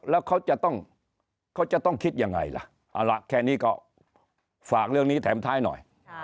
แล้วเขาจะต้องคิดยังไงล่ะแค่นี้ก็ฝากเรื่องนี้แถมท้ายหน่อย